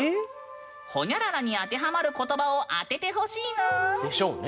ホニャララに当てはまる言葉を当ててほしいぬ！でしょうね。